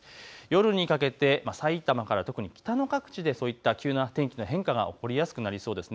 夜にかけてさいたまから特に北の各地で急な天気の変化が起こりやすくなりそうです。